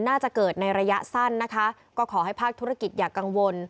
น่าจะเกิดในระยะสั้นนะคะก็ขอให้ภาคธุรกิจอย่ากังวล